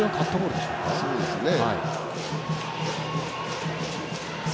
そうですね。